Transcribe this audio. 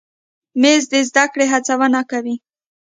مېز د زده کړې هڅونه کوي.